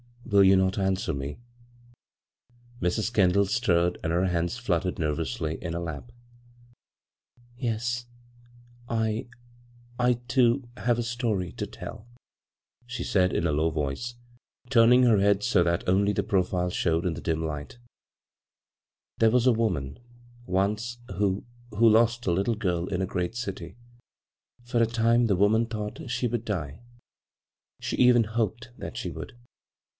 " Will you not answer me ?" Mrs. Kendall stirred, and her hands flut tered nervously in her lap. " Yes ; I — I, too, have a story to tell," she said in a low voice, turning her head so that only the profile showed in the dim light " There was a woman once who — who lost a little girl in a great city. For a time the woman thought she would die. She even hoped that she would.